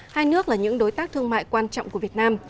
hai nước là những đối tác thương mại quan trọng của việt nam